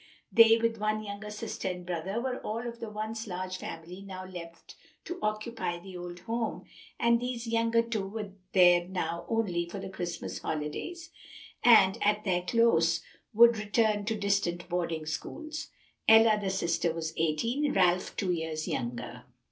They, with one younger sister and brother, were all of the once large family now left to occupy the old home, and these younger two were there now only for the Christmas holidays, and at their close would return to distant boarding schools. Ella, the sister, was eighteen; Ralph two years younger.